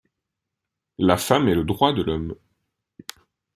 La femme est le droit de l’homme.